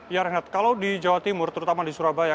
ya renat kalau di jawa timur terutama di surabaya